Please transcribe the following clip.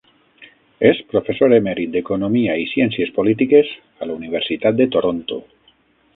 És professor emèrit d'economia i ciències polítiques a la universitat de Toronto.